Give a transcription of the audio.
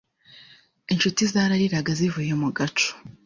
Incuti zarariraga zivuye mu gacu